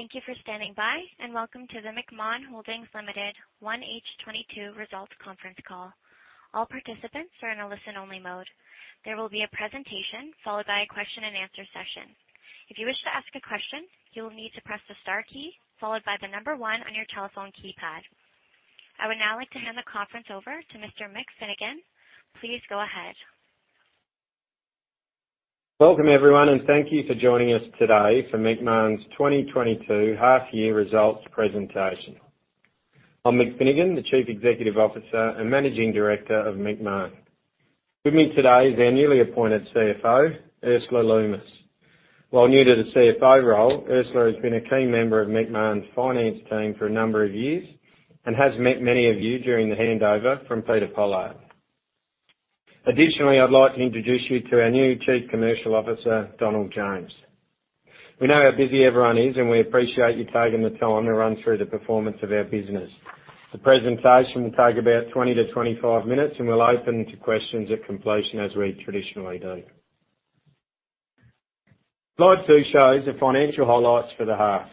Thank you for standing by, and welcome to the Macmahon Holdings Limited H1 2022 results conference call. All participants are in a listen-only mode. There will be a presentation followed by a question and answer session. If you wish to ask a question, you will need to press the star key followed by the number one on your telephone keypad. I would now like to hand the conference over to Mr. Mick Finnegan. Please go ahead. Welcome, everyone, and thank you for joining us today for Macmahon's 2022 half-year results presentation. I'm Mick Finnegan, the Chief Executive Officer and Managing Director of Macmahon. With me today is our newly appointed CFO, Ursula Lummis. While new to the CFO role, Ursula has been a key member of Macmahon's finance team for a number of years and has met many of you during the handover from Peter Pollock. Additionally, I'd like to introduce you to our new Chief Commercial Officer, Donald James. We know how busy everyone is, and we appreciate you taking the time to run through the performance of our business. The presentation will take about 20 to 25 minutes, and we'll open to questions at completion, as we traditionally do. Slide 2 shows the financial highlights for the half.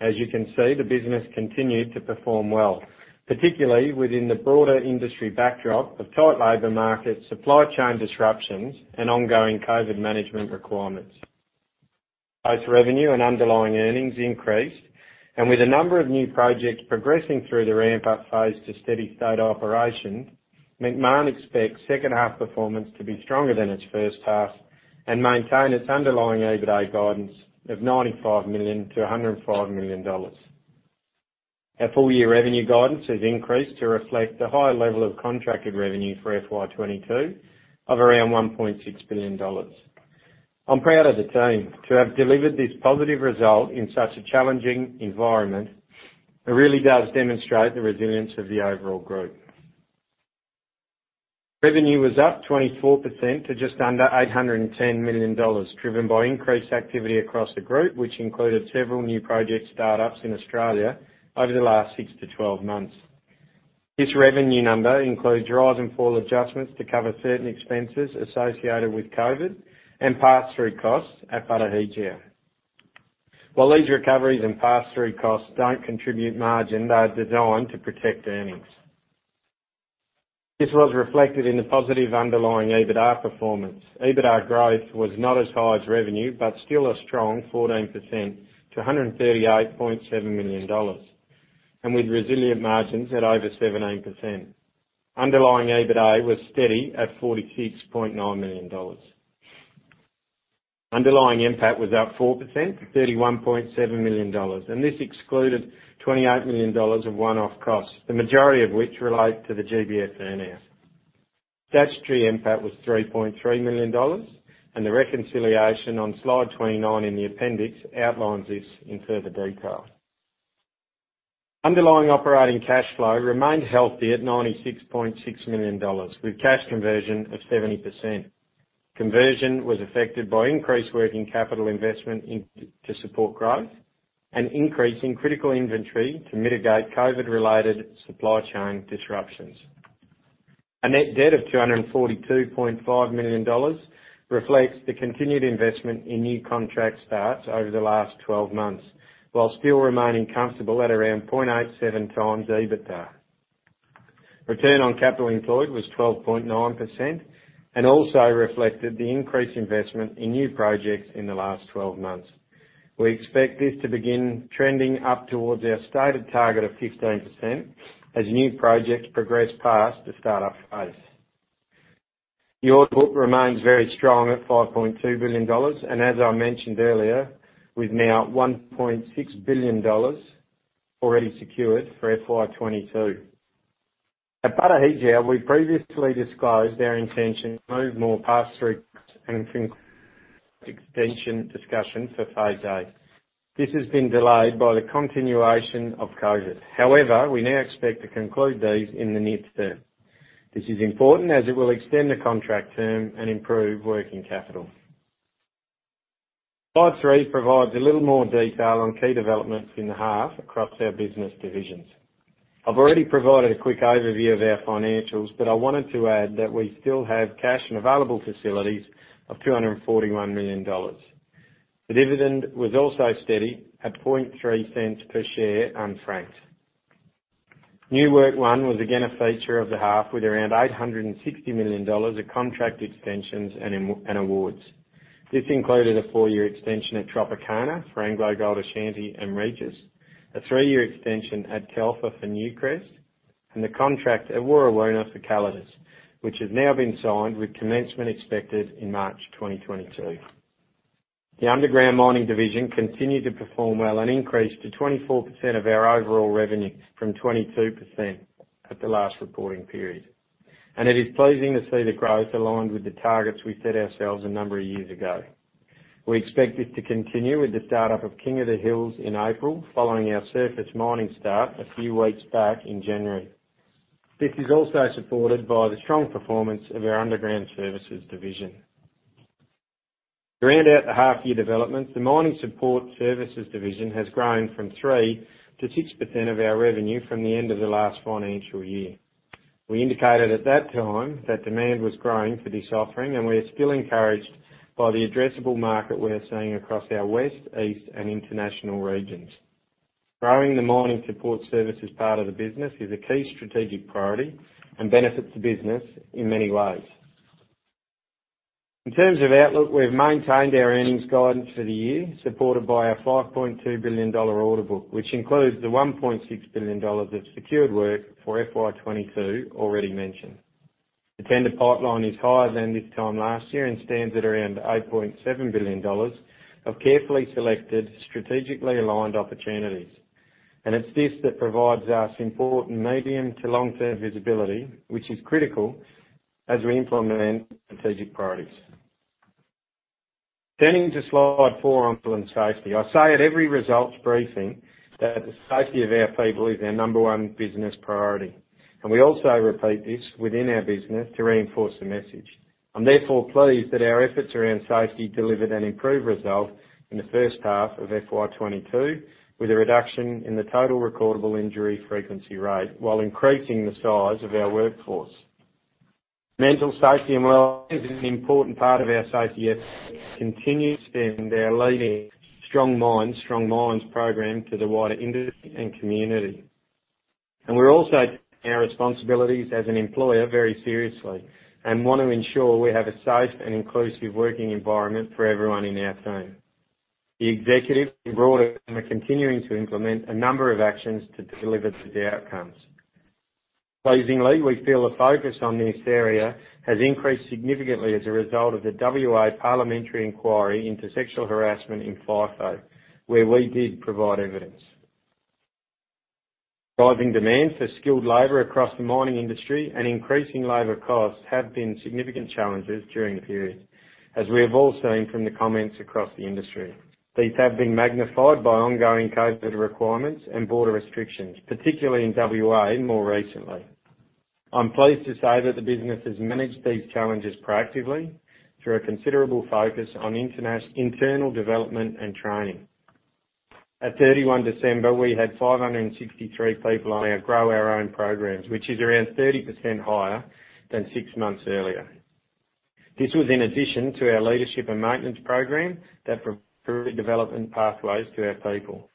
As you can see, the business continued to perform well, particularly within the broader industry backdrop of tight labor market, supply chain disruptions, and ongoing COVID management requirements. Both revenue and underlying earnings increased, and with a number of new projects progressing through the ramp-up phase to steady state operation, Macmahon expects second half performance to be stronger than its first half and maintain its underlying EBITDA guidance of 95 million-105 million dollars. Our full-year revenue guidance has increased to reflect the high level of contracted revenue for FY 2022 of around 1.6 billion dollars. I'm proud of the team to have delivered this positive result in such a challenging environment. It really does demonstrate the resilience of the overall group. Revenue was up 24% to just under 810 million dollars, driven by increased activity across the group, which included several new project startups in Australia over the last six to 12 months. This revenue number includes rise and fall adjustments to cover certain expenses associated with COVID and pass-through costs at Batu Hijau. While these recoveries and pass-through costs don't contribute margin, they are designed to protect earnings. This was reflected in the positive underlying EBITDA performance. EBITDA growth was not as high as revenue, but still a strong 14% to 138.7 million dollars, and with resilient margins at over 17%. Underlying EBITDA was steady at AUD 46.9 million. Underlying NPAT was up 4% to AUD 31.7 million, and this excluded AUD 28 million of one-off costs, the majority of which relate to the GBF earn-out. Statutory NPAT was 3.3 million dollars, and the reconciliation on Slide 29 in the appendix outlines this in further detail. Underlying operating cash flow remained healthy at AUD 96.6 million, with cash conversion of 70%. Conversion was affected by increased working capital investment to support growth, an increase in critical inventory to mitigate COVID-related supply chain disruptions. A net debt of 242.5 million dollars reflects the continued investment in new contract starts over the last 12 months, while still remaining comfortable at around 0.87x EBITA. Return on capital employed was 12.9% and also reflected the increased investment in new projects in the last 12 months. We expect this to begin trending up towards our stated target of 15% as new projects progress past the start-up phase. The order book remains very strong at AUD 5.2 billion, and as I mentioned earlier, with now AUD 1.6 billion already secured for FY 2022. At Batu Hijau, we previously disclosed our intention to move more parts through an extension discussion for phase VIII. This has been delayed by the continuation of COVID. However, we now expect to conclude these in the near term. This is important as it will extend the contract term and improve working capital. Slide 3 provides a little more detail on key developments in the half across our business divisions. I've already provided a quick overview of our financials, but I wanted to add that we still have cash and available facilities of 241 million dollars. The dividend was also steady at 0.3 cents per share unfranked. New work won was again a feature of the half with around 860 million dollars of contract extensions and awards. This included a four-year extension at Tropicana for AngloGold Ashanti and Regis, a three-year extension at Telfer for Newcrest, and the contract at Warrawoona for Calidus, which has now been signed with commencement expected in March 2022. The underground mining division continued to perform well and increased to 24% of our overall revenue from 22% at the last reporting period. It is pleasing to see the growth aligned with the targets we set ourselves a number of years ago. We expect this to continue with the start-up of King of the Hills in April, following our surface mining start a few weeks back in January. This is also supported by the strong performance of our underground services division. To round out the half-year developments, the mining support services division has grown from 3%-6% of our revenue from the end of the last financial year. We indicated at that time that demand was growing for this offering, and we are still encouraged by the addressable market we're seeing across our West, East, and international regions. Growing the mining support services part of the business is a key strategic priority and benefits the business in many ways. In terms of outlook, we've maintained our earnings guidance for the year, supported by our AUD 5.2 billion order book, which includes the AUD 1.6 billion of secured work for FY 2022 already mentioned. The tender pipeline is higher than this time last year and stands at around 8.7 billion dollars of carefully selected, strategically aligned opportunities. It's this that provides us important medium- to long-term visibility, which is critical as we implement strategic priorities. Turning to Slide 4 on health and safety. I say at every results briefing that the safety of our people is our number one business priority. We also repeat this within our business to reinforce the message. I'm therefore pleased that our efforts around safety delivered an improved result in the first half of FY 2022, with a reduction in the total recordable injury frequency rate while increasing the size of our workforce. Mental safety and wellness is an important part of our safety. We continue extending our leading Strong Minds, Strong Mines program to the wider industry and community. We're also take our responsibilities as an employer very seriously and want to ensure we have a safe and inclusive working environment for everyone in our team. The executive and broader, we're continuing to implement a number of actions to deliver the outcomes. Pleasingly, we feel the focus on this area has increased significantly as a result of the WA Parliamentary inquiry into sexual harassment in FIFO, where we did provide evidence. Driving demand for skilled labor across the mining industry and increasing labor costs have been significant challenges during the period, as we have all seen from the comments across the industry. These have been magnified by ongoing COVID requirements and border restrictions, particularly in WA and more recently. I'm pleased to say that the business has managed these challenges proactively through a considerable focus on internal development and training. At 31 December, we had 563 people on our Grow Our Own programs, which is around 30% higher than six months earlier. This was in addition to our leadership and maintenance program that provide development pathways to our people.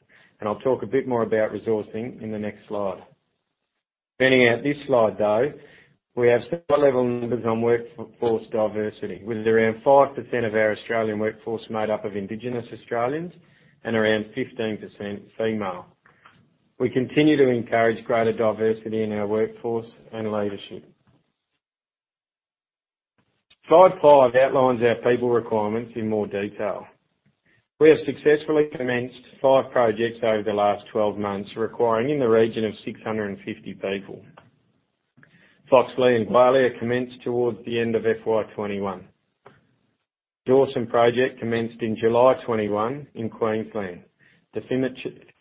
I'll talk a bit more about resourcing in the next slide. Turning to this slide, we have high-level numbers on workforce diversity, with around 5% of our Australian workforce made up of Indigenous Australians and around 15% female. We continue to encourage greater diversity in our workforce and leadership. Slide 5 outlines our people requirements in more detail. We have successfully commenced five projects over the last 12 months, requiring in the region of 650 people. Foxleigh and Gwalia commenced towards the end of FY 2021. Dawson project commenced in July 2021 in Queensland. The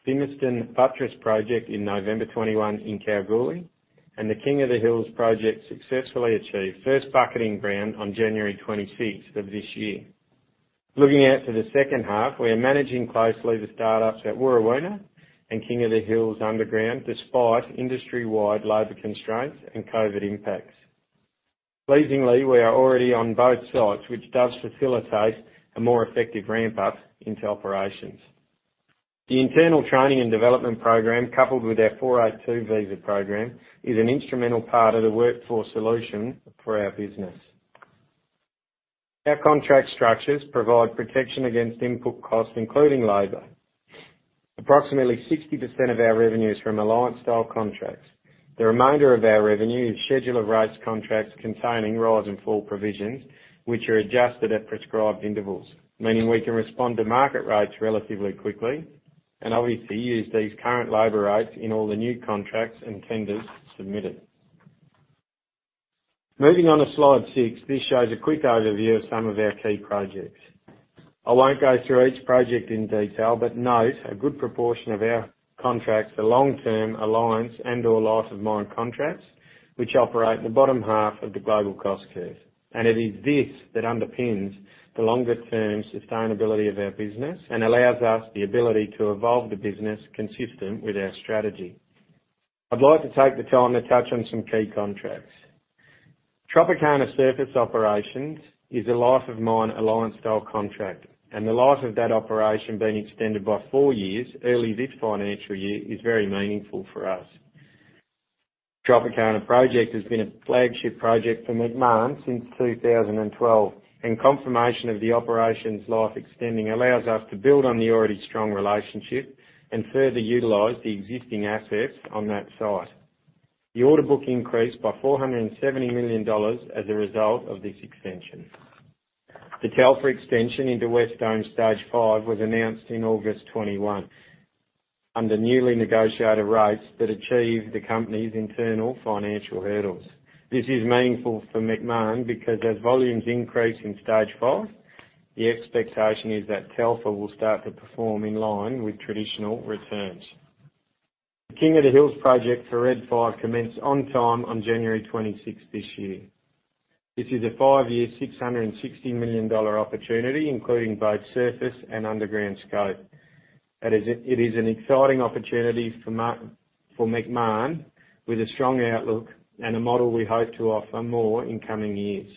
Fimiston Buttress project in November 2021 in Kalgoorlie, and the King of the Hills project successfully achieved first bucketing ground on January 26th of this year. Looking out to the second half, we are managing closely the startups at Warrawoona and King of the Hills underground, despite industry-wide labor constraints and COVID impacts. Pleasingly, we are already on both sites, which does facilitate a more effective ramp-up into operations. The internal training and development program, coupled with our 402 visa program, is an instrumental part of the workforce solution for our business. Our contract structures provide protection against input costs, including labor. Approximately 60% of our revenue is from alliance-style contracts. The remainder of our revenue is schedule of rates contracts containing rise and fall provisions, which are adjusted at prescribed intervals, meaning we can respond to market rates relatively quickly and obviously use these current labor rates in all the new contracts and tenders submitted. Moving on to Slide 6. This shows a quick overview of some of our key projects. I won't go through each project in detail, but note a good proportion of our contracts are long-term alliance and/or life of mine contracts, which operate in the bottom half of the global cost curve. It is this that underpins the longer term sustainability of our business and allows us the ability to evolve the business consistent with our strategy. I'd like to take the time to touch on some key contracts. Tropicana Surface Operations is a life of mine alliance-style contract, and the life of that operation being extended by four years early this financial year is very meaningful for us. Tropicana project has been a flagship project for Macmahon since 2012, and confirmation of the operations life extending allows us to build on the already strong relationship and further utilize the existing assets on that site. The order book increased by 470 million dollars as a result of this extension. The Telfer extension into West Dome Stage 5 was announced in August 2021 under newly negotiated rates that achieve the company's internal financial hurdles. This is meaningful for Macmahon because as volumes increase in Stage Five, the expectation is that Telfer will start to perform in line with traditional returns. The King of the Hills project for Red 5 commenced on time on January 26 this year. This is a five-year, 660 million dollar opportunity, including both surface and underground scope. It is an exciting opportunity for Macmahon, with a strong outlook and a model we hope to offer more in coming years.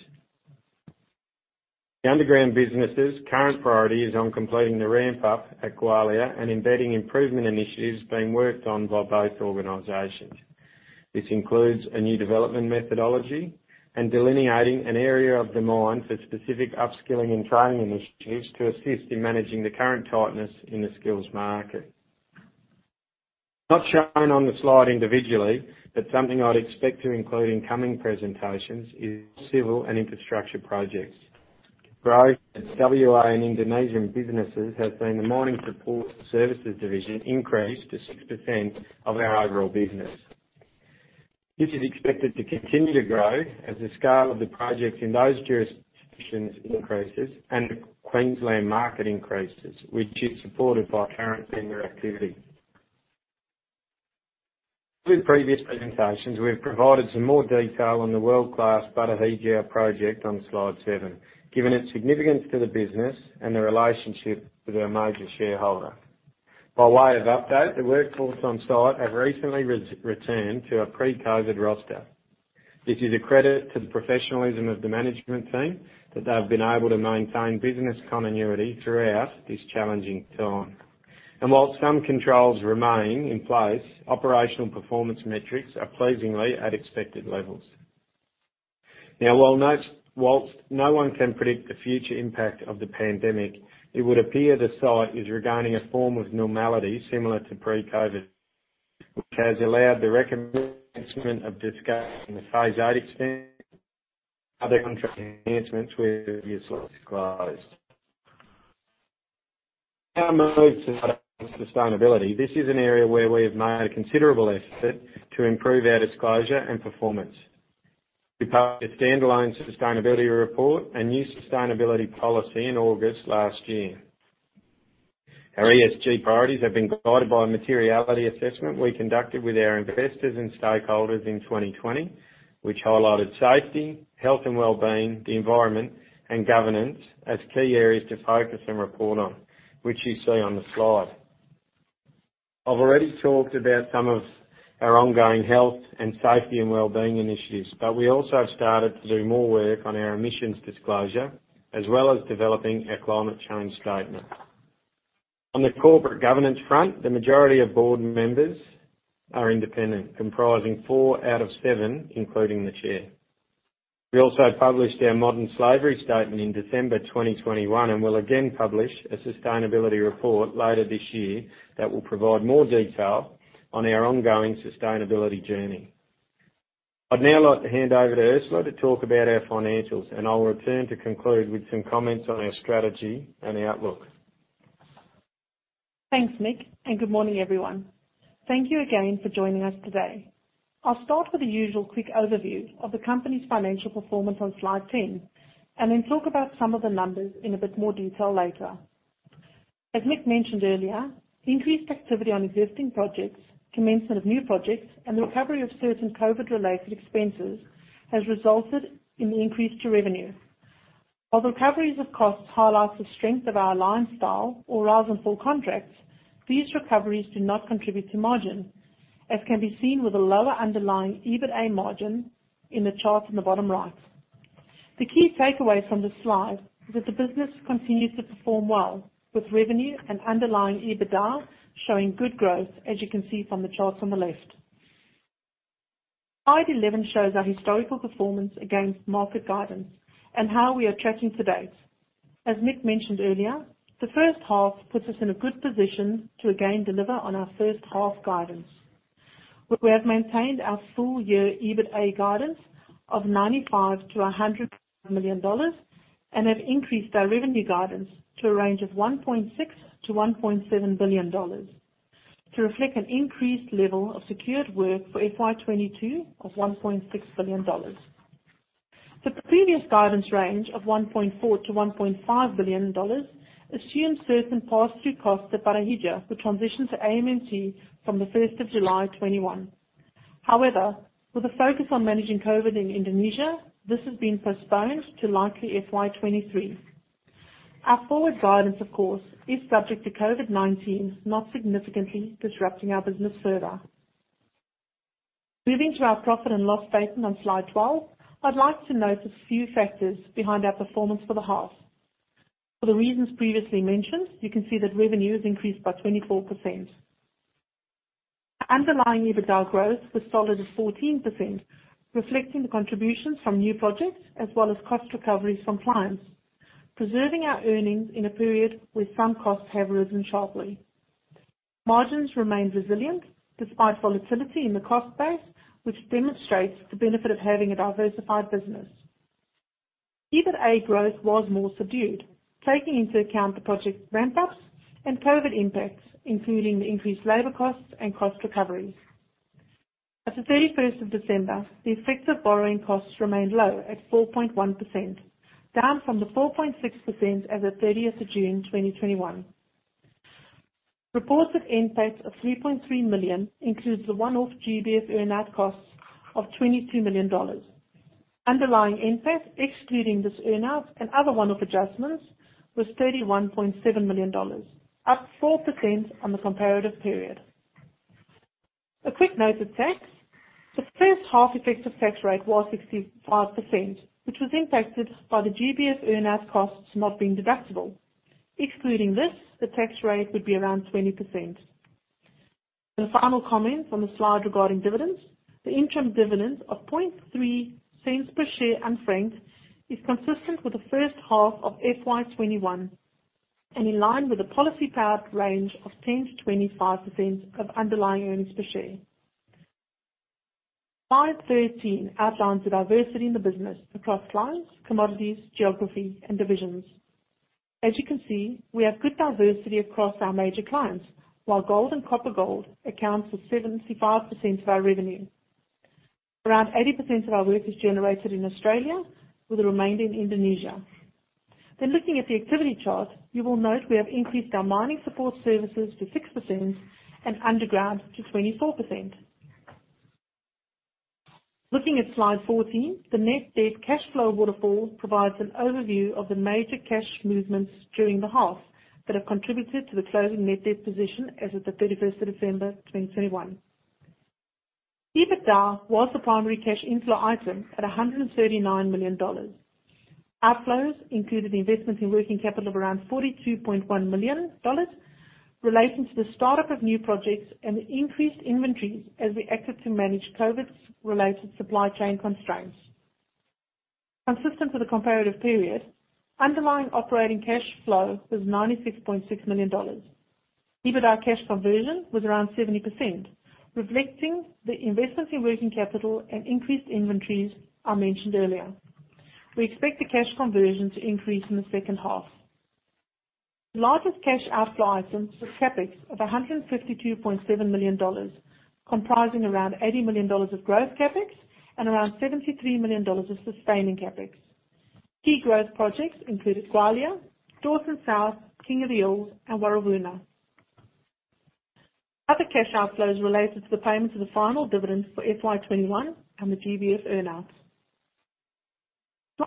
The underground business' current priority is on completing the ramp up at Gwalia and embedding improvement initiatives being worked on by both organizations. This includes a new development methodology and delineating an area of the mine for specific upskilling and training initiatives to assist in managing the current tightness in the skills market. Not shown on the slide individually, but something I'd expect to include in coming presentations is civil and infrastructure projects. Growth in WA and Indonesian businesses has seen the mining support services division increase to 6% of our overall business. This is expected to continue to grow as the scale of the project in those jurisdictions increases and the Queensland market increases, which is supported by current tender activity. With previous presentations, we have provided some more detail on the world-class Barramia project on Slide 7, given its significance to the business and the relationship with our major shareholder. By way of update, the workforce on site have recently returned to a pre-COVID roster. This is a credit to the professionalism of the management team, that they have been able to maintain business continuity throughout this challenging time. While some controls remain in place, operational performance metrics are pleasingly at expected levels. Now, while no one can predict the future impact of the pandemic, it would appear the site is regaining a form of normality similar to pre-COVID, which has allowed the recommencement of discussing the phase VIII other contract enhancements we previously disclosed. Now move to sustainability. This is an area where we have made a considerable effort to improve our disclosure and performance. We published a standalone sustainability report, a new sustainability policy in August last year. Our ESG priorities have been guided by a materiality assessment we conducted with our investors and stakeholders in 2020, which highlighted safety, health and wellbeing, the environment and governance as key areas to focus and report on, which you see on the slide. I've already talked about some of our ongoing health and safety and wellbeing initiatives, but we also have started to do more work on our emissions disclosure, as well as developing a Climate Change Statement. On the corporate governance front, the majority of board members are independent, comprising four out of seven, including the chair. We also published our Modern Slavery Statement in December 2021, and we'll again publish a Sustainability Report later this year that will provide more detail on our ongoing sustainability journey. I'd now like to hand over to Ursula to talk about our financials, and I will return to conclude with some comments on our strategy and outlook. Thanks, Mick, and good morning, everyone. Thank you again for joining us today. I'll start with the usual quick overview of the company's financial performance on Slide 10, and then talk about some of the numbers in a bit more detail later. As Mick mentioned earlier, increased activity on existing projects, commencement of new projects, and the recovery of certain COVID-related expenses has resulted in the increase to revenue. While the recoveries of costs highlight the strength of our line style or rise in full contracts, these recoveries do not contribute to margin, as can be seen with a lower underlying EBITDA margin in the chart in the bottom right. The key takeaways from this slide is that the business continues to perform well, with revenue and underlying EBITDA showing good growth, as you can see from the charts on the left. Slide 11 shows our historical performance against market guidance and how we are tracking to date. As Mick mentioned earlier, the first half puts us in a good position to again deliver on our first half guidance. We have maintained our full year EBITA guidance of 95 million-100 million dollars, and have increased our revenue guidance to a range of 1.6 billion-1.7 billion dollars to reflect an increased level of secured work for FY 2022 of 1.6 billion dollars. The previous guidance range of 1.4 billion-1.5 billion dollars assumes certain pass-through costs at Barramia, the transition to AMNT from 1st July, 2021. However, with a focus on managing COVID in Indonesia, this has been postponed to likely FY 2023. Our forward guidance, of course, is subject to COVID-19 not significantly disrupting our business further. Moving to our profit and loss statement on Slide 12, I'd like to note a few factors behind our performance for the half. For the reasons previously mentioned, you can see that revenue has increased by 24%. Underlying EBITDA growth was solid at 14%, reflecting the contributions from new projects as well as cost recoveries from clients, preserving our earnings in a period where some costs have risen sharply. Margins remained resilient despite volatility in the cost base, which demonstrates the benefit of having a diversified business. EBITA growth was more subdued, taking into account the project ramp-ups and COVID impacts, including the increased labor costs and cost recoveries. As of 31st of December, the effective borrowing costs remained low at 4.1%, down from the 4.6% as of 30th of June 2021. Reported NPAT of 3.3 million includes the one-off GBF earn-out costs of 22 million dollars. Underlying NPAT, excluding this earn-out and other one-off adjustments, was 31.7 million dollars, up 4% on the comparative period. A quick note of tax. The first half effective tax rate was 65%, which was impacted by the GBF earn-out costs not being deductible. Excluding this, the tax rate would be around 20%. A final comment on the slide regarding dividends. The interim dividend of 0.003 per share unfranked is consistent with the first half of FY 2021, and in line with the policy capped range of 10%-25% of underlying earnings per share. Slide 13 outlines the diversity in the business across clients, commodities, geography, and divisions. As you can see, we have good diversity across our major clients, while gold and copper gold accounts for 75% of our revenue. Around 80% of our work is generated in Australia, with the remainder in Indonesia. Looking at the activity chart, you will note we have increased our mining support services to 6% and underground to 24%. Looking at Slide 14, the net debt cash flow waterfall provides an overview of the major cash movements during the half that have contributed to the closing net debt position as of 31st, December 2021. EBITDA was the primary cash inflow item at 139 million dollars. Outflows included the investments in working capital of around 42.1 million dollars relating to the start-up of new projects and the increased inventories as we acted to manage COVID-related supply chain constraints. Consistent with the comparative period, underlying operating cash flow was 96.6 million dollars. EBITDA cash conversion was around 70%, reflecting the investments in working capital and increased inventories I mentioned earlier. We expect the cash conversion to increase in the second half. The largest cash outflow was CapEx of 152.7 million dollars, comprising around 80 million dollars of growth CapEx and around 73 million dollars of sustaining CapEx. Key growth projects included Gwalia, Dawson South, King of the Hills, and Warrawoona. Other cash outflows related to the payment of the final dividends for FY 2021 and the GBF earn-out.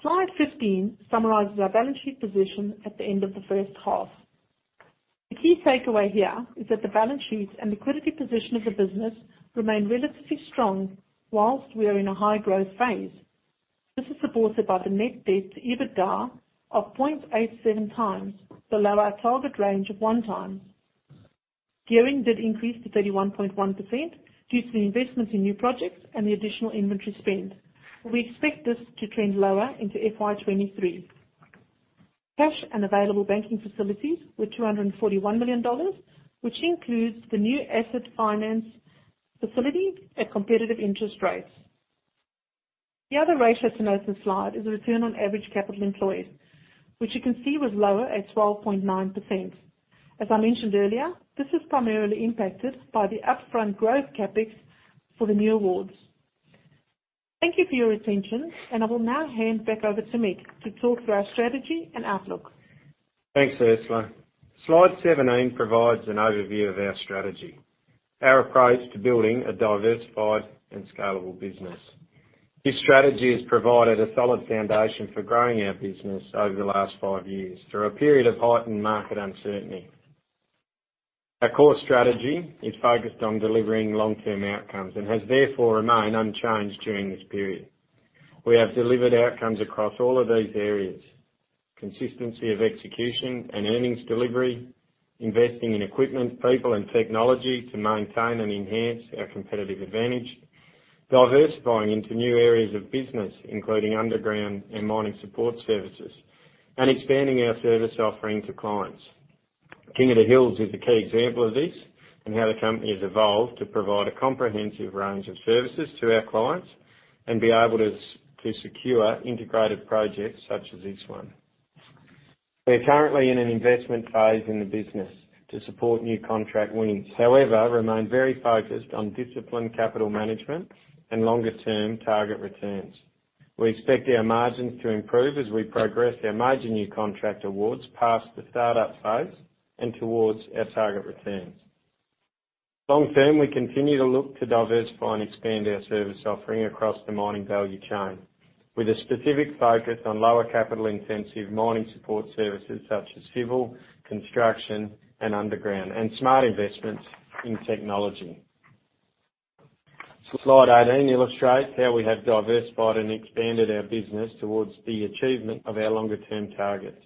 Slide 15 summarizes our balance sheet position at the end of the first half. The key takeaway here is that the balance sheet and liquidity position of the business remain relatively strong while we are in a high growth phase. This is supported by the net debt to EBITDA of 0.87x below our target range of 1x. Gearing did increase to 31.1% due to the investments in new projects and the additional inventory spend. We expect this to trend lower into FY 2023. Cash and available banking facilities were 241 million dollars, which includes the new asset finance facility at competitive interest rates. The other ratio to note in the slide is a return on average capital employed, which you can see was lower at 12.9%. As I mentioned earlier, this is primarily impacted by the upfront growth CapEx for the new awards. Thank you for your attention, and I will now hand back over to Mick to talk through our strategy and outlook. Thanks, Ursula. Slide 17 provides an overview of our strategy, our approach to building a diversified and scalable business. This strategy has provided a solid foundation for growing our business over the last five years through a period of heightened market uncertainty. Our core strategy is focused on delivering long-term outcomes and has therefore remained unchanged during this period. We have delivered outcomes across all of these areas, consistency of execution and earnings delivery, investing in equipment, people, and technology to maintain and enhance our competitive advantage. Diversifying into new areas of business, including underground and mining support services, and expanding our service offering to clients. King of the Hills is the key example of this and how the company has evolved to provide a comprehensive range of services to our clients and be able to secure integrated projects such as this one. We are currently in an investment phase in the business to support new contract wins. However, we remain very focused on disciplined capital management and longer-term target returns. We expect our margins to improve as we progress our major new contract awards past the start-up phase and towards our target returns. Long-term, we continue to look to diversify and expand our service offering across the mining value chain, with a specific focus on lower capital-intensive mining support services such as civil, construction, and underground, and smart investments in technology. Slide 18 illustrates how we have diversified and expanded our business towards the achievement of our longer-term targets.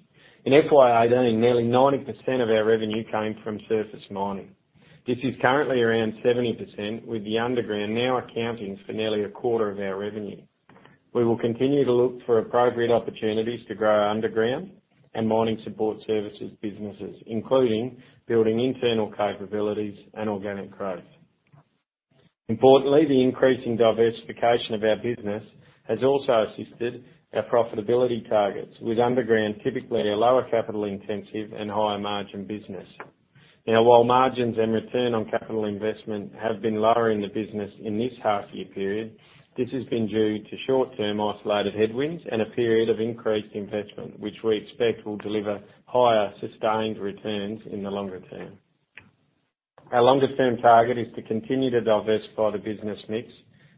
In FY 2018, nearly 90% of our revenue came from surface mining. This is currently around 70%, with the underground now accounting for nearly a quarter of our revenue. We will continue to look for appropriate opportunities to grow our underground and mining support services businesses, including building internal capabilities and organic growth. Importantly, the increasing diversification of our business has also assisted our profitability targets with underground, typically a lower capital intensive and higher margin business. Now, while margins and return on capital investment have been lower in the business in this half year period, this has been due to short-term isolated headwinds and a period of increased investment, which we expect will deliver higher sustained returns in the longer term. Our longer term target is to continue to diversify the business mix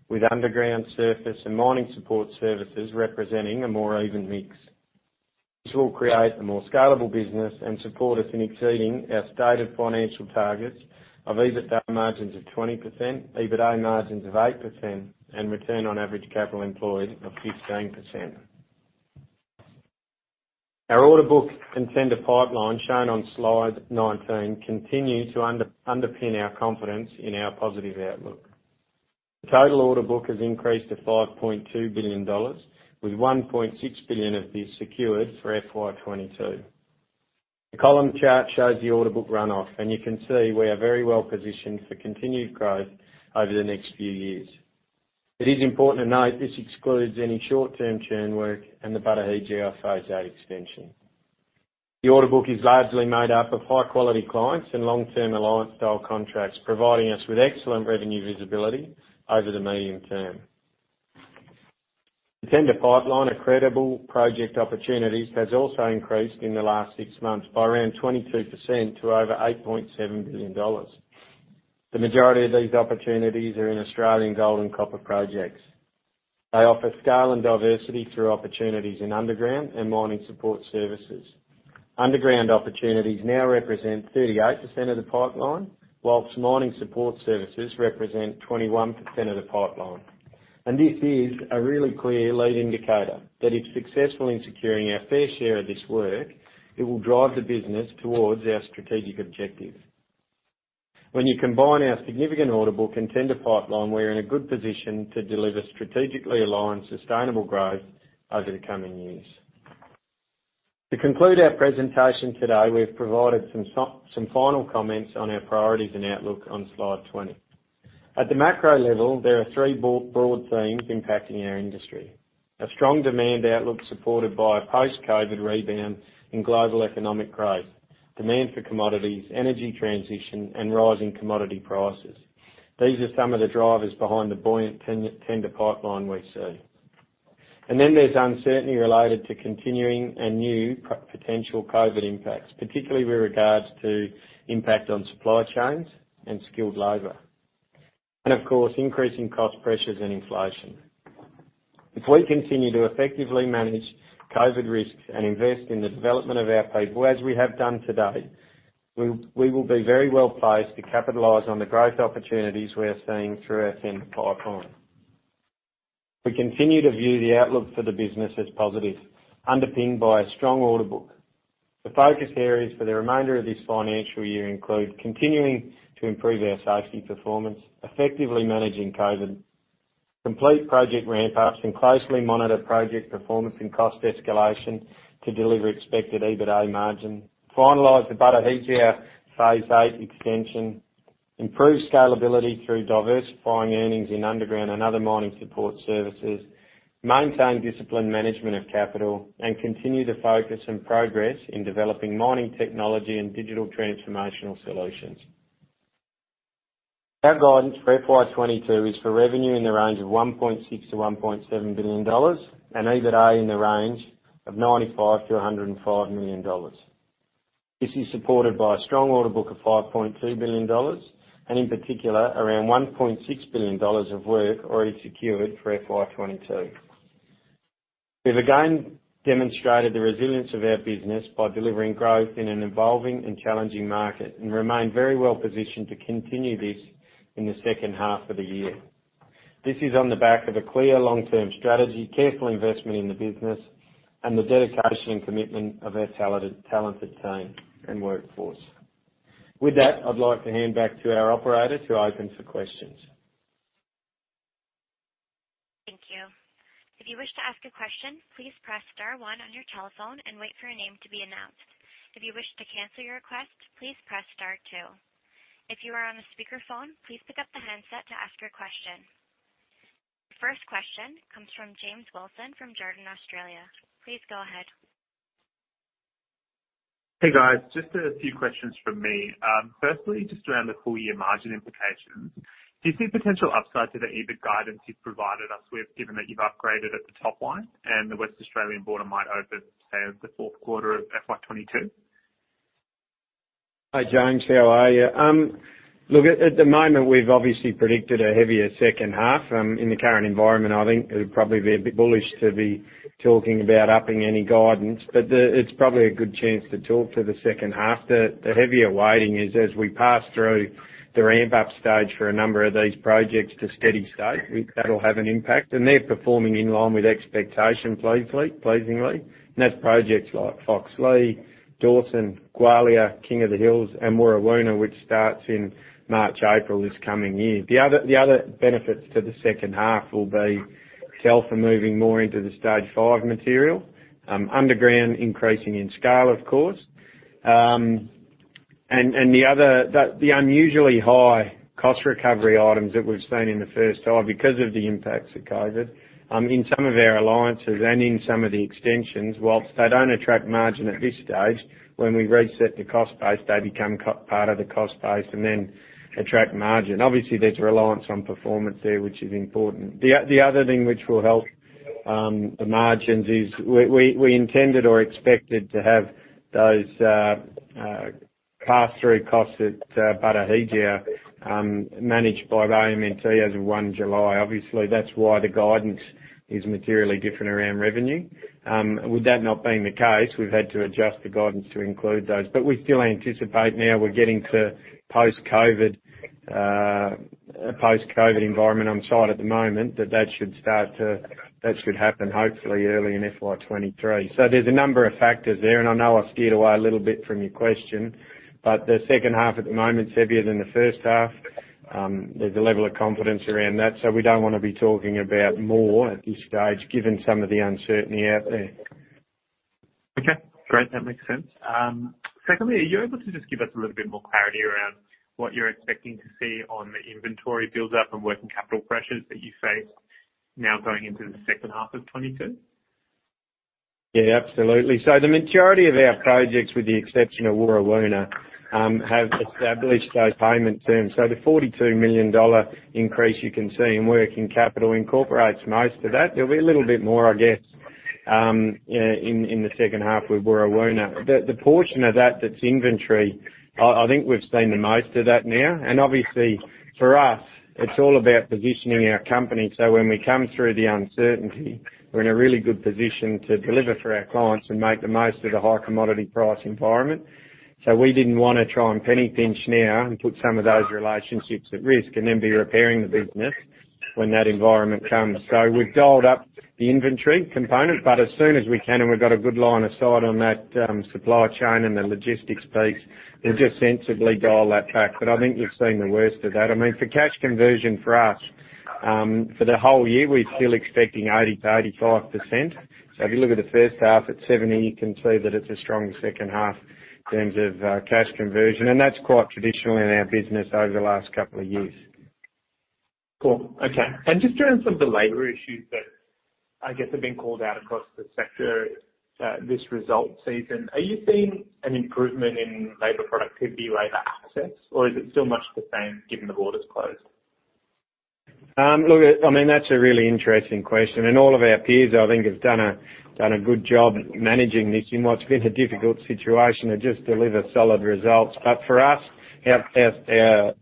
with underground surface and mining support services representing a more even mix. This will create a more scalable business and support us in exceeding our stated financial targets of EBITDA margins of 20%, EBITA margins of 8%, and return on average capital employed of 15%. Our order book and tender pipeline shown on Slide 19 continue to underpin our confidence in our positive outlook. The total order book has increased to 5.2 billion dollars, with 1.6 billion of this secured for FY 2022. The column chart shows the order book runoff, and you can see we are very well positioned for continued growth over the next few years. It is important to note this excludes any short-term churn work and the Batu Hijau phase VIII extension. The order book is largely made up of high quality clients and long-term alliance style contracts, providing us with excellent revenue visibility over the medium term. The tender pipeline of credible project opportunities has also increased in the last six months by around 22% to over 8.7 billion dollars. The majority of these opportunities are in Australian gold and copper projects. They offer scale and diversity through opportunities in underground and mining support services. Underground opportunities now represent 38% of the pipeline, while mining support services represent 21% of the pipeline. This is a really clear lead indicator that if successful in securing our fair share of this work, it will drive the business towards our strategic objective. When you combine our significant order book and tender pipeline, we're in a good position to deliver strategically aligned, sustainable growth over the coming years. To conclude our presentation today, we've provided some final comments on our priorities and outlook on Slide 20. At the macro level, there are three broad themes impacting our industry. A strong demand outlook supported by a post-COVID rebound in global economic growth, demand for commodities, energy transition, and rising commodity prices. These are some of the drivers behind the buoyant tender pipeline we see. Then there's uncertainty related to continuing and new potential COVID impacts, particularly with regards to impact on supply chains and skilled labor. Of course, increasing cost pressures and inflation. If we continue to effectively manage COVID risks and invest in the development of our people, as we have done today, we will be very well-placed to capitalize on the growth opportunities we are seeing through our tender pipeline. We continue to view the outlook for the business as positive, underpinned by a strong order book. The focus areas for the remainder of this financial year include continuing to improve our safety performance, effectively managing COVID, complete project ramp-ups, and closely monitor project performance and cost escalation to deliver expected EBITDA margin, finalize the Batu Hijau phase VIII extension, improve scalability through diversifying earnings in underground and other mining support services, maintain disciplined management of capital, and continue to focus on progress in developing mining technology and digital transformational solutions. Our guidance for FY 2022 is for revenue in the range of 1.6 billion-1.7 billion dollars and EBITDA in the range of 95 million-105 million dollars. This is supported by a strong order book of 5.2 billion dollars, and in particular, around 1.6 billion dollars of work already secured for FY 2022. We've again demonstrated the resilience of our business by delivering growth in an evolving and challenging market and remain very well-positioned to continue this in the second half of the year. This is on the back of a clear long-term strategy, careful investment in the business, and the dedication and commitment of our talented team and workforce. With that, I'd like to hand back to our operator to open for questions. Thank you. If you wish to ask a question, please press star one on your telephone and wait for your name to be announced. If you wish to cancel your request, please press star two. If you are on the speaker phone, please pick up the handset to ask your question. First question comes from James Wilson from Ord Minnett Australia. Please go ahead. Hey, guys. Just a few questions from me. Firstly, just around the full year margin implications. Do you see potential upside to the EBIT guidance you've provided us with, given that you've upgraded at the top line and the Western Australian border might open, say, the fourth quarter of FY 2022? Hi, James. How are you? Look, at the moment, we've obviously predicted a heavier second half. In the current environment, I think it would probably be a bit bullish to be talking about upping any guidance, but it's probably a good chance to talk to the second half. The heavier weighting is as we pass through the ramp-up stage for a number of these projects to steady state, that'll have an impact. They're performing in line with expectation, pleasingly. That's projects like Foxleigh, Dawson, Gwalia, King of the Hills, and Warrawoona, which starts in March, April this coming year. The other benefits to the second half will be Telfer are moving more into the Stage 5 material, underground increasing in scale, of course. The unusually high cost recovery items that we've seen in the first half because of the impacts of COVID in some of our alliances and in some of the extensions, whilst they don't attract margin at this stage, when we reset the cost base, they become part of the cost base and then attract margin. Obviously, there's reliance on performance there, which is important. The other thing which will help the margins is we intended or expected to have those pass-through costs at Batu Hijau managed by the AMNT as of 1 July. Obviously, that's why the guidance is materially different around revenue. With that not being the case, we've had to adjust the guidance to include those. We still anticipate now we're getting to post-COVID environment on site at the moment that should happen hopefully early in FY 2023. There's a number of factors there, and I know I've steered away a little bit from your question, but the second half at the moment is heavier than the first half. There's a level of confidence around that, so we don't wanna be talking about more at this stage, given some of the uncertainty out there. Okay, great. That makes sense. Secondly, are you able to just give us a little bit more clarity around what you're expecting to see on the inventory build-up and working capital pressures that you face now going into the second half of 2022? Yeah, absolutely. The majority of our projects, with the exception of Warrawoona, have established those payment terms. The 42 million dollar increase you can see in working capital incorporates most of that. There'll be a little bit more, I guess, in the second half with Warrawoona. The portion of that that's inventory, I think we've seen the most of that now. Obviously for us it's all about positioning our company, so when we come through the uncertainty, we're in a really good position to deliver for our clients and make the most of the high commodity price environment. We didn't wanna try and penny pinch now and put some of those relationships at risk and then be repairing the business when that environment comes. We've dialed up the inventory component, but as soon as we can, and we've got a good line of sight on that, supply chain and the logistics piece, we'll just sensibly dial that back. I think we've seen the worst of that. I mean, for cash conversion for us, for the whole year, we're still expecting 80%-85%. If you look at the first half at 70%, you can see that it's a strong second half in terms of cash conversion, and that's quite traditional in our business over the last couple of years. Cool. Okay. Just around some of the labor issues that I guess have been called out across the sector, this result season, are you seeing an improvement in labor productivity, labor access, or is it still much the same given the border's closed? Look, I mean, that's a really interesting question, and all of our peers, I think, have done a good job managing this in what's been a difficult situation to just deliver solid results. But for us, our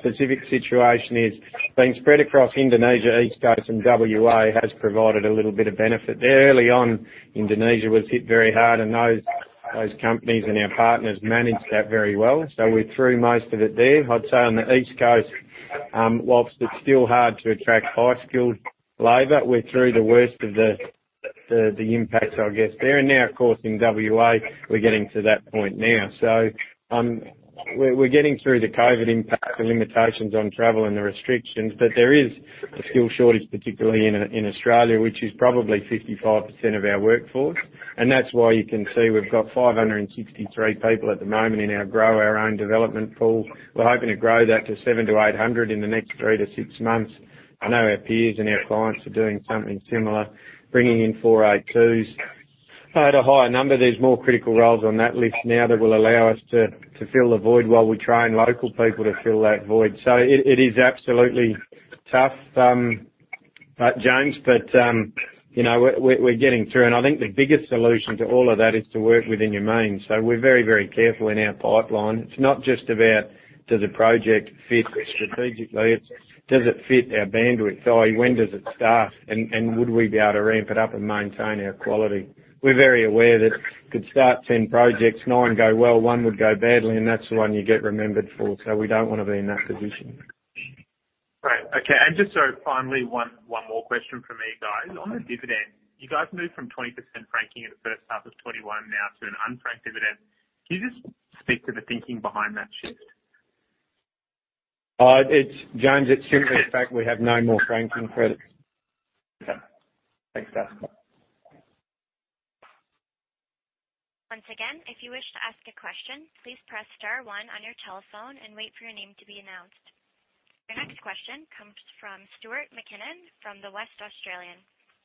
specific situation is being spread across Indonesia, East Coast and WA has provided a little bit of benefit. There early on Indonesia was hit very hard and those companies and our partners managed that very well, so we're through most of it there. I'd say on the East Coast, while it's still hard to attract high-skilled labor, we're through the worst of the impacts, I guess, there. Now of course in WA, we're getting to that point now. We're getting through the COVID impact, the limitations on travel and the restrictions, but there is a skill shortage, particularly in Australia, which is probably 55% of our workforce. That's why you can see we've got 563 people at the moment in our Grow Our Own development pool. We're hoping to grow that to 700-800 in the next three to six months. I know our peers and our clients are doing something similar, bringing in 482s. At a higher number, there's more critical roles on that list now that will allow us to fill the void while we train local people to fill that void. It is absolutely tough, James, but you know, we're getting through. I think the biggest solution to all of that is to work within your means. We're very, very careful in our pipeline. It's not just about does the project fit strategically? It's does it fit our bandwidth? When does it start, and would we be able to ramp it up and maintain our quality? We're very aware that we could start 10 projects, nine go well, one would go badly, and that's the one you get remembered for. We don't wanna be in that position. Great. Okay. Just so finally, one more question from me, guys. On the dividend, you guys moved from 20% franking at the first half of 2021 now to an unfranked dividend. Can you just speak to the thinking behind that shift? James, it's simply the fact we have no more franking credits. Okay. Thanks, guys. Once again, if you wish to ask a question, please press star one on your telephone and wait for your name to be announced. Your next question comes from Stuart McKinnon from The West Australian.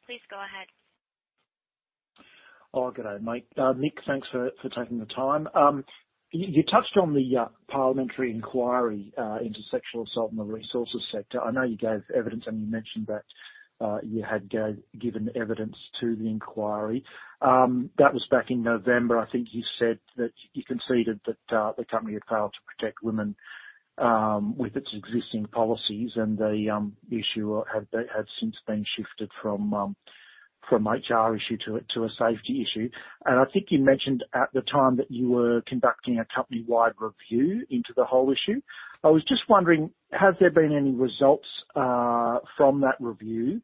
Please go ahead. Oh, good day, mate. Mick, thanks for taking the time. You touched on the parliamentary inquiry into sexual assault in the resources sector. I know you gave evidence and you mentioned that you had given evidence to the inquiry. That was back in November. I think you said that you conceded that the company had failed to protect women with its existing policies and the issue had since been shifted from HR issue to a safety issue. I think you mentioned at the time that you were conducting a company-wide review into the whole issue. I was just wondering, has there been any results from that review?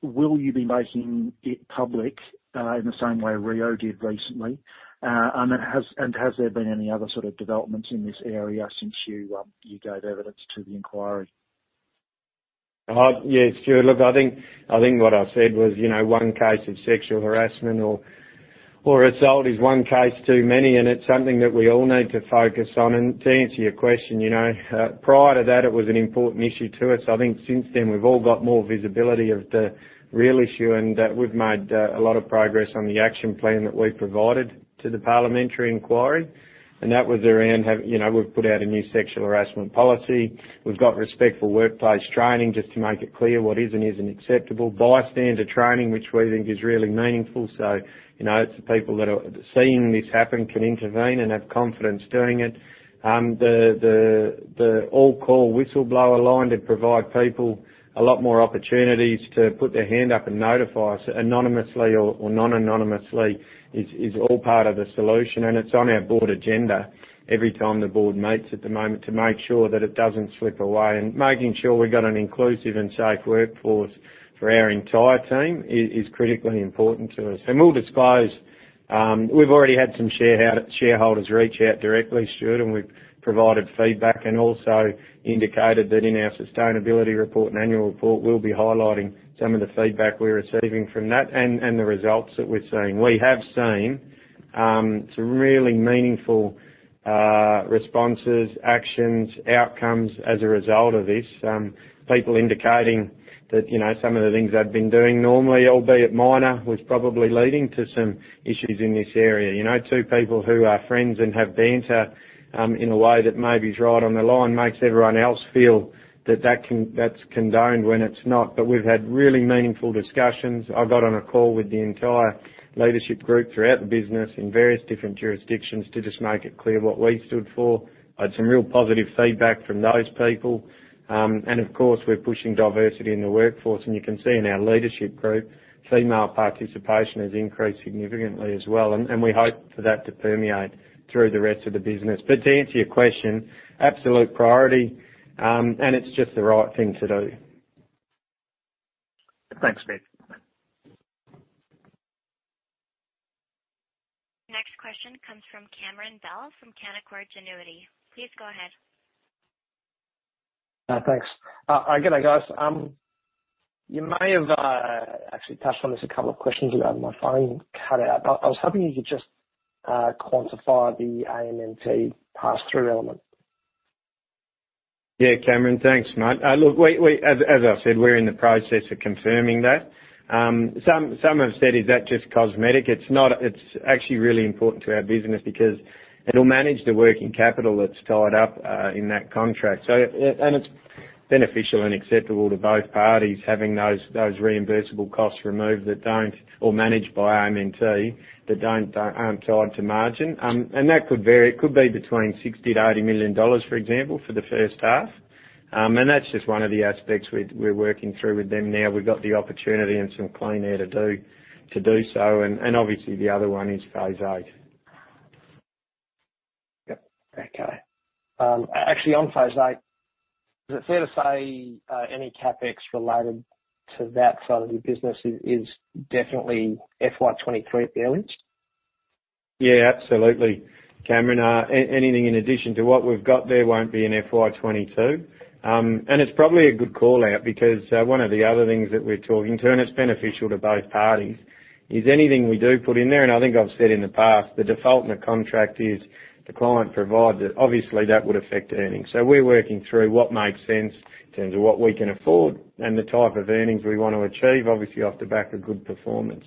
Will you be making it public in the same way Rio did recently? Has there been any other sort of developments in this area since you gave evidence to the inquiry? Yeah, Stuart, look, I think what I said was, you know, one case of sexual harassment or assault is one case too many, and it's something that we all need to focus on. To answer your question, you know, prior to that, it was an important issue to us. I think since then, we've all got more visibility of the real issue, and we've made a lot of progress on the action plan that we provided to the Parliamentary inquiry. That was around. You know, we've put out a new sexual harassment policy. We've got respectful workplace training just to make it clear what is and isn't acceptable. Bystander training, which we think is really meaningful. You know, it's the people that are seeing this happen can intervene and have confidence doing it. The All Call whistleblower line to provide people a lot more opportunities to put their hand up and notify us anonymously or non-anonymously is all part of the solution. It's on our board agenda every time the board meets at the moment to make sure that it doesn't slip away. Making sure we've got an inclusive and safe workforce for our entire team is critically important to us. We'll disclose we've already had some shareholders reach out directly, Stuart, and we've provided feedback and also indicated that in our sustainability report and annual report, we'll be highlighting some of the feedback we're receiving from that and the results that we're seeing. We have seen some really meaningful responses, actions, outcomes as a result of this. People indicating that, you know, some of the things they've been doing normally, albeit minor, was probably leading to some issues in this area. You know, two people who are friends and have banter, in a way that maybe is right on the line makes everyone else feel that that's condoned when it's not. But we've had really meaningful discussions. I got on a call with the entire leadership group throughout the business in various different jurisdictions to just make it clear what we stood for. I had some real positive feedback from those people. And of course, we're pushing diversity in the workforce. You can see in our leadership group, female participation has increased significantly as well, and we hope for that to permeate through the rest of the business. To answer your question, absolute priority, and it's just the right thing to do. Thanks, Mick. Next question comes from Cameron Bell from Canaccord Genuity. Please go ahead. Thanks. Good day, guys. You may have actually touched on this a couple of questions ago. My phone cut out. I was hoping you could just quantify the AMNT passthrough element. Yeah, Cameron. Thanks, mate. As I've said, we're in the process of confirming that. Some have said, "Is that just cosmetic?" It's not. It's actually really important to our business because it'll manage the working capital that's tied up in that contract. It's beneficial and acceptable to both parties having those reimbursable costs removed or managed by AMNT that aren't tied to margin. That could vary. It could be between 60 million-80 million dollars, for example, for the first half. That's just one of the aspects we're working through with them now. We've got the opportunity and some clean air to do so. Obviously the other one is phase VIII. Yep. Okay. Actually, on phase VIII, is it fair to say any CapEx related to that side of the business is definitely FY 2023 at the earliest? Yeah, absolutely, Cameron. Anything in addition to what we've got there won't be in FY 2022. It's probably a good call-out because one of the other things that we're talking to, and it's beneficial to both parties, is anything we do put in there, and I think I've said in the past, the default in the contract is the client provides it. Obviously that would affect earnings. We're working through what makes sense in terms of what we can afford and the type of earnings we want to achieve, obviously off the back of good performance.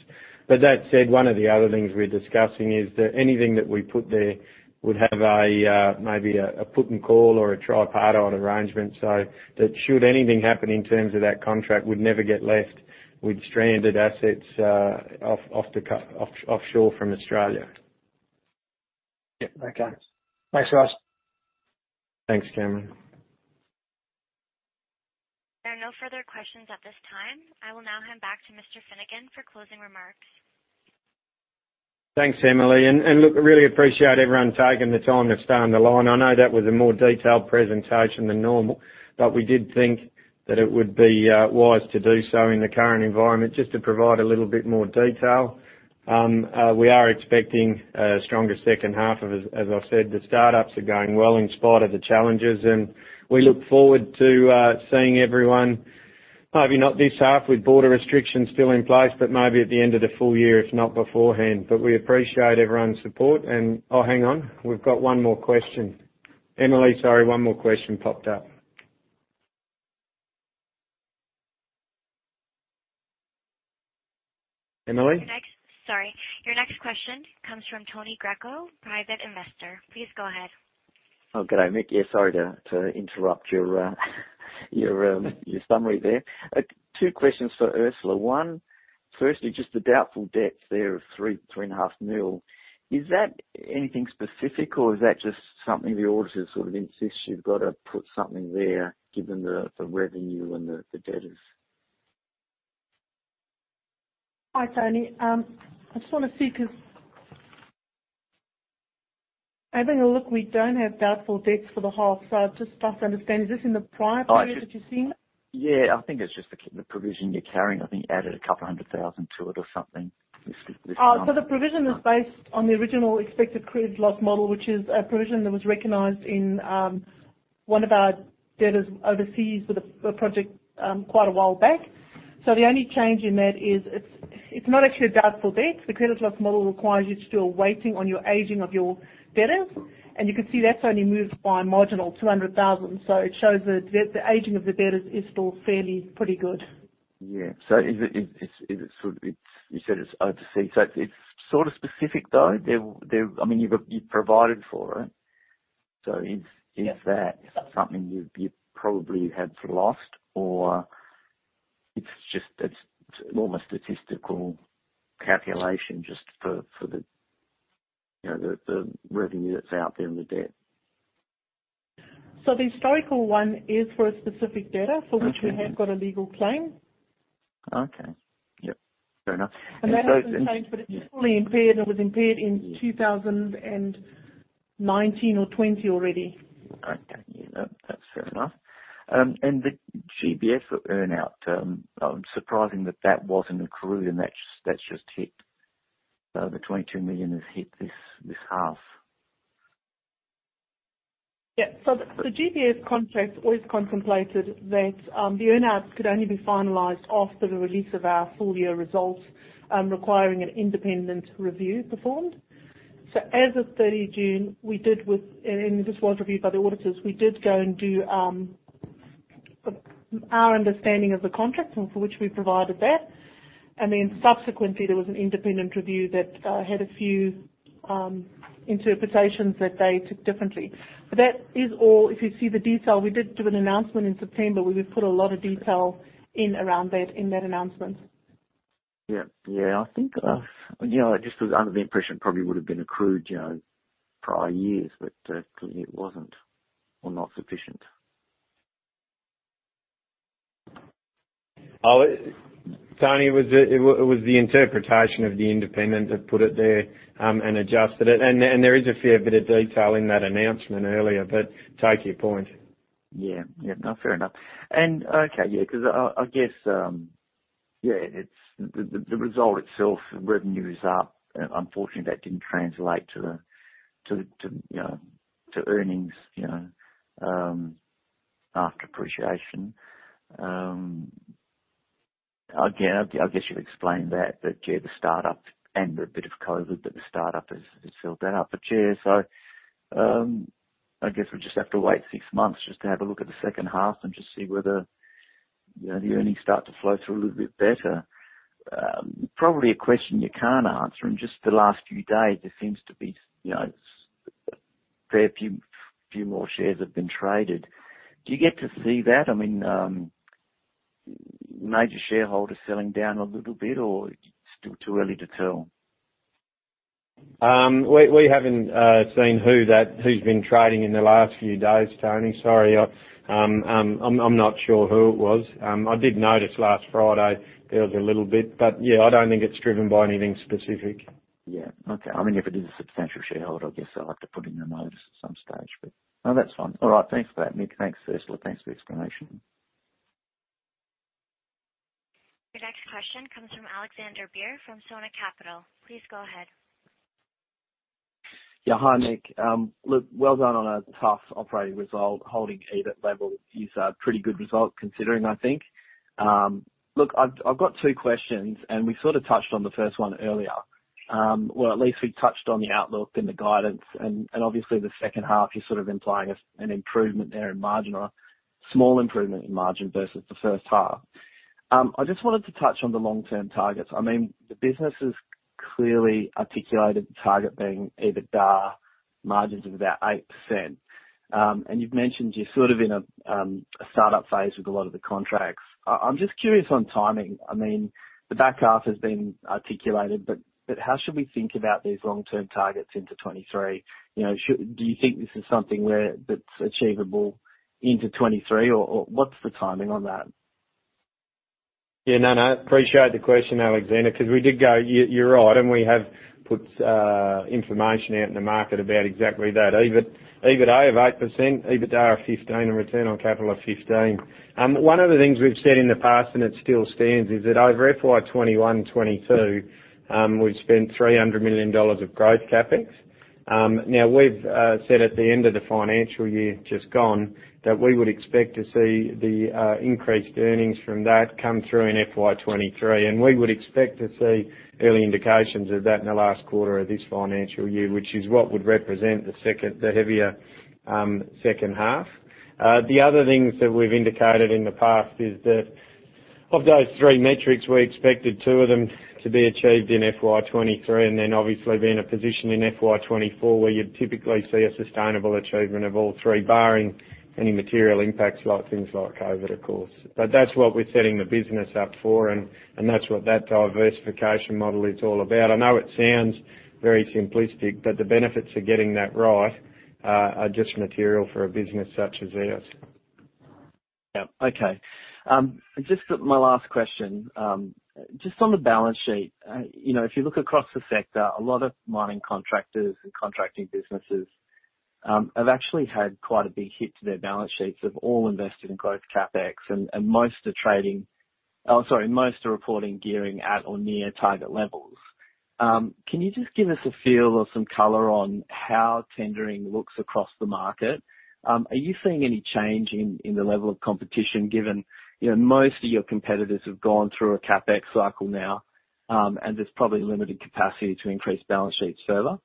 That said, one of the other things we're discussing is that anything that we put there would have a, maybe a put and call or a tripartite arrangement, so that should anything happen in terms of that contract, we'd never get left with stranded assets, offshore from Australia. Yeah. Okay. Thanks, guys. Thanks, Cameron. There are no further questions at this time. I will now hand back to Mr. Finnegan for closing remarks. Thanks, Emily. Look, I really appreciate everyone taking the time to stay on the line. I know that was a more detailed presentation than normal, but we did think that it would be wise to do so in the current environment, just to provide a little bit more detail. We are expecting a stronger second half for us. As I've said, the startups are going well in spite of the challenges, and we look forward to seeing everyone, maybe not this half with border restrictions still in place, but maybe at the end of the full year, if not beforehand. We appreciate everyone's support. Oh, hang on. We've got one more question. Emily, sorry, one more question popped up. Emily? Your next question comes from Tony Greco, Private Investor. Please go ahead. Oh, good day, Mick. Yeah, sorry to interrupt your summary there. Two questions for Ursula. One, firstly, just the doubtful debt there of 3.5 million. Is that anything specific or is that just something the auditors sort of insist you've got to put something there given the revenue and the debtors? Hi, Tony. I just wanna see 'cause having a look, we don't have doubtful debt for the half, so I just can't understand. Is this in the prior period that you're seeing? Yeah, I think it's just the provision you're carrying. I think added 200,000 to it or something this time. The provision is based on the original expected credit loss model, which is a provision that was recognized in one of our debtors overseas with a project quite a while back. The only change in that is it's not actually a doubtful debt. The credit loss model requires you to do a weighting on your aging of your debtors, and you can see that's only moved by a marginal 200,000. It shows that the aging of the debtors is still fairly pretty good. Yeah. Is it? It's overseas, so it's sort of specific though? I mean, you've provided for it. Is that something you've probably had lost or it's just more of a statistical calculation just for the, you know, the revenue that's out there and the debt? The historical one is for a specific debtor for which we have got a legal claim. Okay. Yep. Fair enough. That hasn't changed, but it's fully impaired, and it was impaired in 2019 or 2020 already. Okay. Yeah, that's fair enough. The GBF earn-out, surprising that that wasn't accrued and that's just hit. 22 million has hit this half. Yeah. The GBF contract always contemplated that the earn-out could only be finalized after the release of our full year results, requiring an independent review performed. As of 30 June, this was reviewed by the auditors. We did go and do our understanding of the contract and for which we provided that. Then subsequently, there was an independent review that had a few interpretations that they took differently. That is all. If you see the detail, we did do an announcement in September where we put a lot of detail in around that in that announcement. Yeah. I think, you know, I just was under the impression probably would have been accrued, you know, prior years, but clearly it wasn't or not sufficient. Oh, Tony, it was the interpretation of the independent that put it there and adjusted it. There is a fair bit of detail in that announcement earlier, but take your point. Yeah. Yeah. No, fair enough. Okay, yeah, 'cause I guess, yeah, it's the result itself, revenue is up. Unfortunately, that didn't translate to the, you know, to earnings, you know, after depreciation. Again, I guess you've explained that, yeah, the startup and the bit of COVID, but the startup has filled that up. Yeah, I guess we'll just have to wait six months just to have a look at the second half and just see whether, you know, the earnings start to flow through a little bit better. Probably a question you can't answer, in just the last few days, there seems to be, you know, a fair few more shares have been traded. Do you get to see that? I mean, major shareholders selling down a little bit or still too early to tell? We haven't seen who's been trading in the last few days, Tony. Sorry. I'm not sure who it was. I did notice last Friday there was a little bit, but yeah, I don't think it's driven by anything specific. Yeah. Okay. I mean, if it is a substantial shareholder, I guess they'll have to put in a notice at some stage, but. No, that's fine. All right. Thanks for that, Mick. Thanks, Ursula. Thanks for the explanation. Your next question comes from Alexander Beer from Sona Capital. Please go ahead. Hi, Nick. Look, well done on a tough operating result. Holding EBIT level is a pretty good result considering, I think. Look, I've got two questions, and we sort of touched on the first one earlier. Well, at least we touched on the outlook and the guidance and obviously the second half, you're sort of implying an improvement there in margin or small improvement in margin versus the first half. I just wanted to touch on the long-term targets. I mean, the business has clearly articulated the target being EBITDA margins of about 8%. You've mentioned you're sort of in a startup phase with a lot of the contracts. I'm just curious on timing. I mean, the back half has been articulated, but how should we think about these long-term targets into 2023? You know, do you think this is something where that's achievable into 2023 or what's the timing on that? Yeah. No, no. Appreciate the question, Alexander, 'cause we did go. You, you're right and we have put information out in the market about exactly that. EBIT, EBITA of 8%, EBITDA of 15% and return on capital of 15%. One of the things we've said in the past, and it still stands, is that over FY 2021, 2022, we've spent 300 million dollars of growth CapEx. Now we've said at the end of the financial year just gone, that we would expect to see the increased earnings from that come through in FY 2023. We would expect to see early indications of that in the last quarter of this financial year, which is what would represent the heavier second half. The other things that we've indicated in the past is that of those three metrics, we expected two of them to be achieved in FY 2023 and then obviously be in a position in FY 2024 where you'd typically see a sustainable achievement of all three, barring any material impacts like things like COVID, of course. That's what we're setting the business up for, and that's what that diversification model is all about. I know it sounds very simplistic, but the benefits of getting that right are just material for a business such as ours. Yeah. Okay. Just my last question. Just on the balance sheet, you know, if you look across the sector, a lot of mining contractors and contracting businesses have actually had quite a big hit to their balance sheets. They've all invested in growth CapEx and most are reporting gearing at or near target levels. Can you just give us a feel or some color on how tendering looks across the market? Are you seeing any change in the level of competition given, you know, most of your competitors have gone through a CapEx cycle now, and there's probably limited capacity to increase balance sheets further?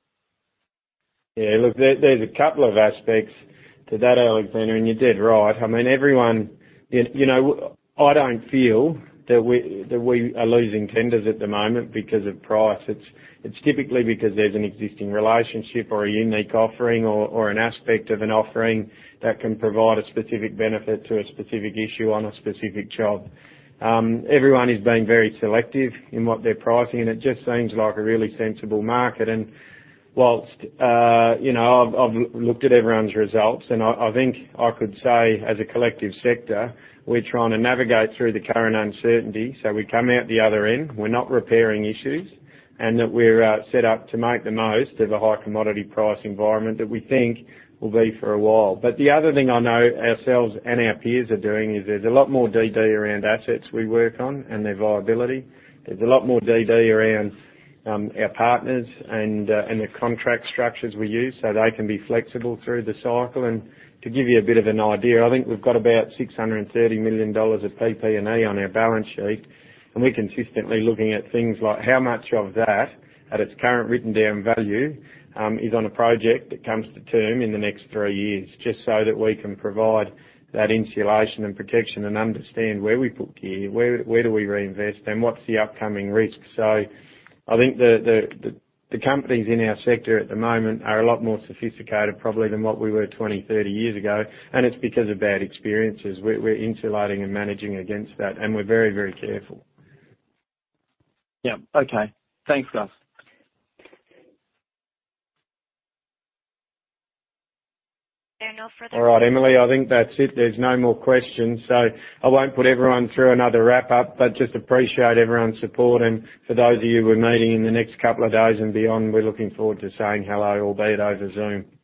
Look, there's a couple of aspects to that, Alexander, and you're dead right. I mean, everyone you know, I don't feel that we are losing tenders at the moment because of price. It's typically because there's an existing relationship or a unique offering or an aspect of an offering that can provide a specific benefit to a specific issue on a specific job. Everyone is being very selective in what they're pricing, and it just seems like a really sensible market. While you know, I've looked at everyone's results, and I think I could say as a collective sector, we're trying to navigate through the current uncertainty, so we come out the other end, we're not repairing issues, and that we're set up to make the most of a high commodity price environment that we think will be for a while. The other thing I know ourselves and our peers are doing is there's a lot more DD around assets we work on and their viability. There's a lot more DD around our partners and the contract structures we use, so they can be flexible through the cycle. To give you a bit of an idea, I think we've got about 630 million dollars of PP&E on our balance sheet, and we're consistently looking at things like how much of that, at its current written down value, is on a project that comes to term in the next three years, just so that we can provide that insulation and protection and understand where we put gear, where do we reinvest, and what's the upcoming risks. I think the companies in our sector at the moment are a lot more sophisticated probably than what we were 20, 30 years ago, and it's because of bad experiences. We're insulating and managing against that, and we're very, very careful. Yeah. Okay. Thanks, Gus. There are no further questions. All right. Emily, I think that's it. There's no more questions. I won't put everyone through another wrap up, but I just appreciate everyone's support. For those of you we're meeting in the next couple of days and beyond, we're looking forward to saying hello, albeit over Zoom.